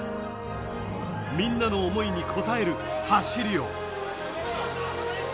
みんなの思いに応える走りを。